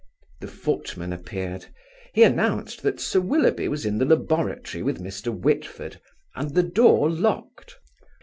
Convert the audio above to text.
The footman appeared. He announced that Sir Willoughby was in the laboratory with Mr. Whitford, and the door locked.